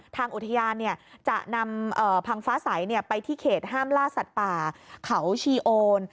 ทางอุทยานจะนำพังฟ้าใสไปที่เขตห้ามล่าสัตว์ป่าเขาชีโอน